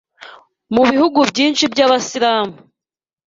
mu bihugu byinshi by’Abayisilamu